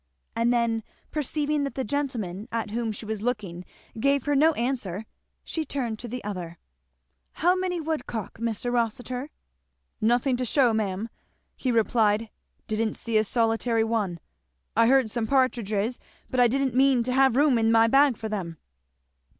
And then perceiving that the gentleman at whom she was looking gave her no answer she turned to the other. "How many woodcock, Mr. Rossitur?" "Nothing to shew, ma'am," he replied. "Didn't see a solitary one. I heard some partridges, but I didn't mean to have room in my bag for them."